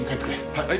はい。